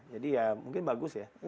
jadi ya mungkin bagus ya